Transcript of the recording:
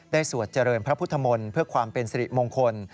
สวดเจริญพระพุทธมนตร์เพื่อความเป็นสิริมงคล